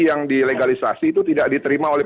yang dilegalisasi itu tidak diterima oleh